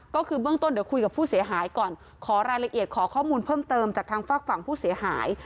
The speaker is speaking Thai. ก็คือเบื้องต้นเดี๋ยวคุยกับผู้เสียหายก่อนขอรายละเอียดขอข้อมูลเพิ่มเติมจากทางฝากฝั่งผู้เสียหาย